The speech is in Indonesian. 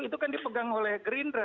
itu kan dipegang oleh gerindra